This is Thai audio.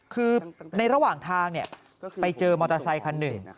คือในระหว่างทางไปเจอมอเตอร์ไซคันหนึ่ง